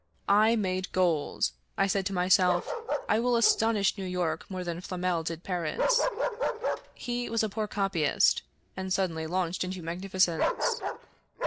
I made gold ! I said to myself, ' I will astonish New York more than Flamel did Paris.' He was a poor copyist, and suddenly launched into magnificence.